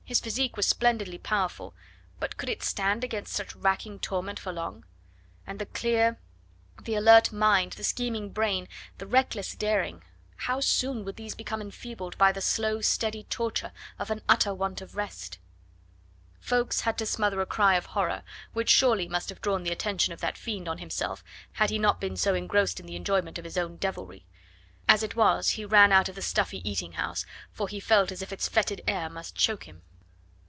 His physique was splendidly powerful, but could it stand against such racking torment for long? And the clear, the alert mind, the scheming brain, the reckless daring how soon would these become enfeebled by the slow, steady torture of an utter want of rest? Ffoulkes had to smother a cry of horror, which surely must have drawn the attention of that fiend on himself had he not been so engrossed in the enjoyment of his own devilry. As it is, he ran out of the stuffy eating house, for he felt as if its fetid air must choke him.